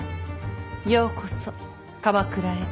ようこそ鎌倉へ。